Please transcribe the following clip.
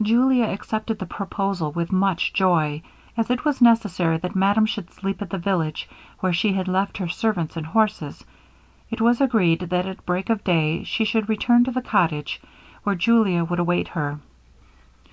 Julia accepted the proposal with much joy. As it was necessary that madame should sleep at the village where she had left her servants and horses, it was agreed that at break of day she should return to the cottage, where Julia would await her.